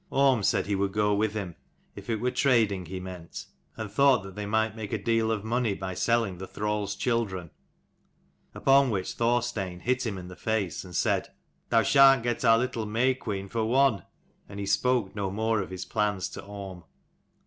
Orm said he would go with him if it were trading he meant : and thought that they might make a deal of money by selling the thralls' children. Upon 80 which Thorstein hit him in the face, and said, "Thou shan't get our little May queen for one." And he spoke no more of his plans to Orm.